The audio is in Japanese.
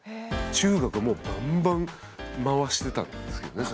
中学はもうバンバン回してたんですけどね。